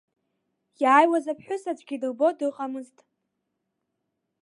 Иааиуаз аԥҳәыс аӡәгьы дылбо дыҟамызт.